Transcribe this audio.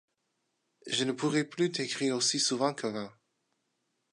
Je ne pourrai plus t’écrire aussi souvent qu’avant.